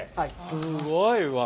すごいわ。